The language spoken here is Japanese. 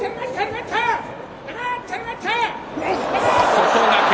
外掛け。